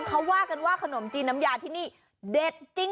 เขาว่ากันว่าขนมจีนน้ำยาที่นี่เด็ดจริง